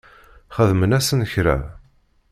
Xedmen-asen kra?